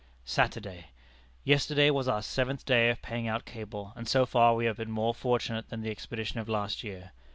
"Saturday. Yesterday was our seventh day of paying out cable, and so far we have been more fortunate than the expedition of last year.